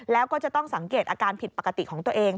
แล้วก็จะต้องสังเกตอาการผิดปกติของตัวเอง